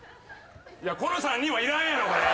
この３人はいらんやろが。